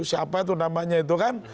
siapa itu namanya itu kan